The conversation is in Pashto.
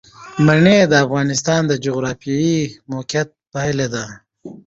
منی د افغانستان د جغرافیایي موقیعت پایله ده.